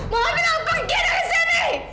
mama mau pergi dari sini